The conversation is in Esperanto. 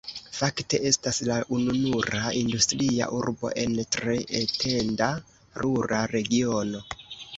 Fakte estas la ununura industria urbo en tre etenda rura regiono.